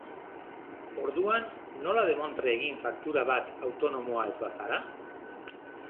Orduan, nola demontre egin faktura bat, autonomoa ez bazara?